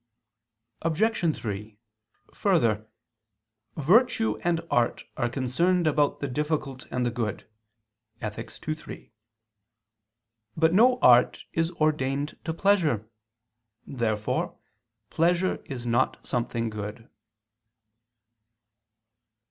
Obj. 3: Further, "virtue and art are concerned about the difficult and the good" (Ethic. ii, 3). But no art is ordained to pleasure. Therefore pleasure is not something good.